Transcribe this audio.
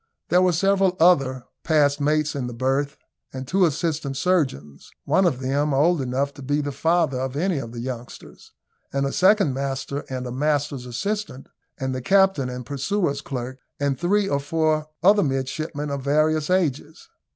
There were several other passed mates in the berth, and two assistant surgeons one of them old enough to be the father of any of the youngsters and a second master and a master's assistant, and the captain and purser's clerks, and three or four other midshipmen of various ages.